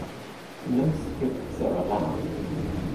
No scripts are allowed.